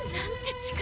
力